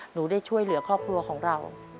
หนูได้ช่วยเหลือครอบครัวของเรา